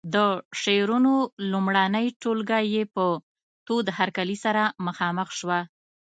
د شعرونو لومړنۍ ټولګه یې په تود هرکلي سره مخامخ شوه.